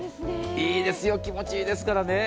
いいですよ、気持ちいいですからね